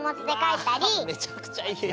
うわめちゃくちゃいい。